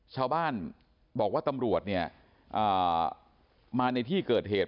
ชาวบ้านบอกว่าตำรวจเนี่ยมาในที่เกิดเหตุ